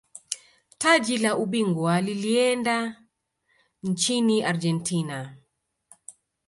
taji la ubingwa lilieenda nchini argentina